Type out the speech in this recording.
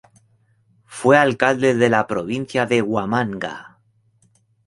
Fue alcalde de la "Provincia de Huamanga".